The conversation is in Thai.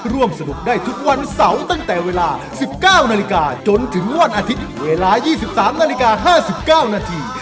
ร่วมสนุกได้ทุกวันเสาร์ตั้งแต่เวลา๑๙นาฬิกาจนถึงวันอาทิตย์เวลา๒๓นาฬิกา๕๙นาที